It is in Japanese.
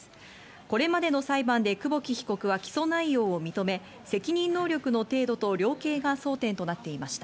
これまでの裁判で久保木被告は起訴内容を認め、責任能力の程度と量刑が争点となっていました。